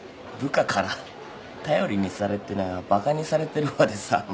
部下から頼りにされてないわバカにされてるわでさ